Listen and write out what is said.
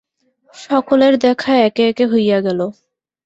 সকলের দেখা একে একে হইয়া গেল।